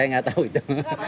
saya nggak tahu itu